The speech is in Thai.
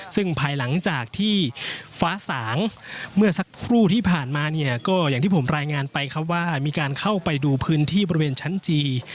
ซึ่งภายหลังจากที่ฟ้าสางเมื่อสักครู่ที่ผ่านมาเนี่ยก็อย่างที่ผมรายงานไปครับว่ามีการเข้าไปดูพื้นที่บริเวณชั้นจี